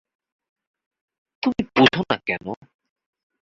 তুমি বুঝোনা কেন?